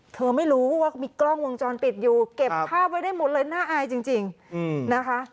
เธอไม่รู้ว่ามีกล้องวงจรปิดอยู่เก็บภาพไว้ได้หมดเลยน่าอายจริงนะคะ